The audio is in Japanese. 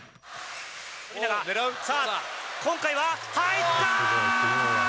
富永、今回は、入った！